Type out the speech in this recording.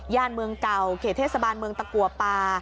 เมืองเก่าเขตเทศบาลเมืองตะกัวป่า